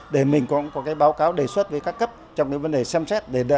để mình có báo cáo đề xuất với các cấp trong những vấn đề xem xét